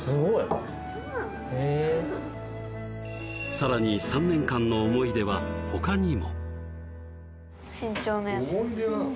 さらに３年間の思い出は他にも身長？